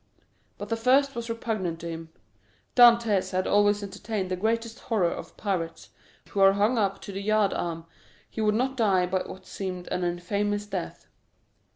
But the first was repugnant to him. Dantès had always entertained the greatest horror of pirates, who are hung up to the yard arm; he would not die by what seemed an infamous death.